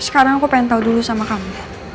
sekarang aku pengen tahu dulu sama kamu